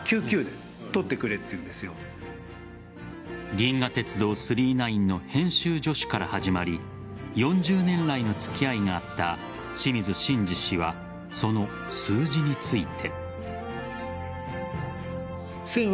「銀河鉄道９９９」の編集助手から始まり４０年来の付き合いがあった清水慎治氏はその数字について。